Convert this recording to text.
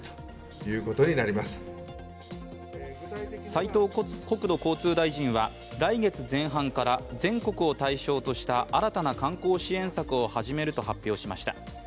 斉藤国土交通大臣は来月前半から全国を対象とした新たな観光支援策を始めると発表しました。